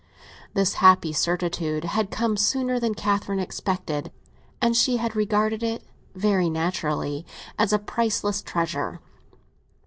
This happy certitude had come sooner than Catherine expected, and she had regarded it, very naturally, as a priceless treasure.